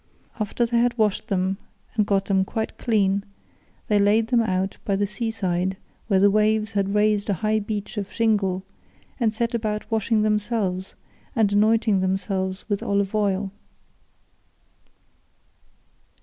After they had washed them and got them quite clean, they laid them out by the sea side, where the waves had raised a high beach of shingle, and set about washing themselves and anointing themselves with olive oil.